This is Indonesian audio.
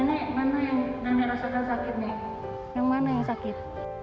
nenek nenek rasakan sakit yang mana yang sakit